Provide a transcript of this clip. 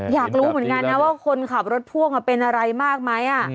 อยากรู้เหมือนกันนะว่าคนขับรถพ่วงเป็นอะไรมากไหม